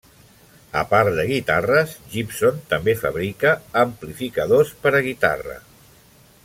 A part de guitarres, Gibson també fabrica amplificadors per a guitarra.